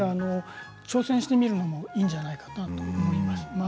挑戦してみるのもいいんじゃないかなと思います。